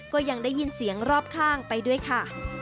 ก็ยังได้ยินเสียงรอบข้างไปด้วยค่ะ